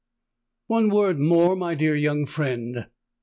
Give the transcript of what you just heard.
"One word more, my dear young friend.